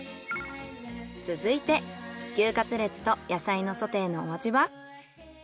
続いて牛カツレツと野菜のソテーのお味は？